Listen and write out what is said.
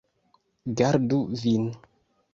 Gardu vin.